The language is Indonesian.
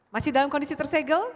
masih dalam kondisi tersegel